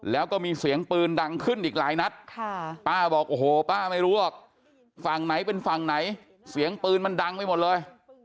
แล้วก็มีเสียงปืนดังขึ้นอีกหลายนัดป้าบอกโอ้โหป้าไม่รู้หรอกฝั่งไหนเป็นฝั่งไหนเสียงปืนมันดังไปหมดเลย